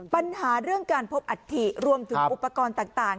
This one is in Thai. ปัญหาเรื่องการพบอัฐิรวมถึงอุปกรณ์ต่าง